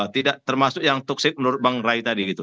tidak termasuk yang toxic menurut bang ray tadi gitu